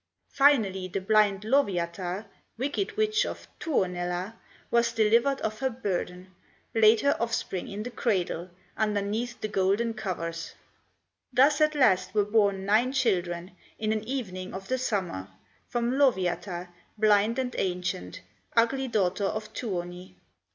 Finally the blind Lowyatar, Wicked witch of Tuonela, Was delivered of her burden, Laid her offspring in the cradle, Underneath the golden covers. Thus at last were born nine children, In an evening of the summer, From Lowyatar, blind and ancient, Ugly daughter of Tuoni.